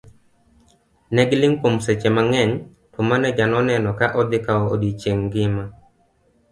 Ne giling' kuom seche mangeny, to maneja no neno ka odhi kawo odiochieng' ngima.